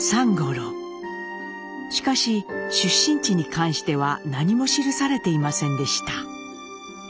しかし出身地に関しては何も記されていませんでした。